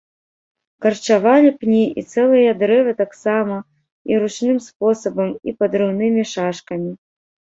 Карчавалі пні і цэлыя дрэвы таксама і ручным спосабам і падрыўнымі шашкамі.